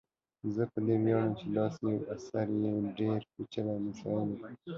زه په دې ویاړم چي داسي یو اثر چي ډیري پیچلي مسالې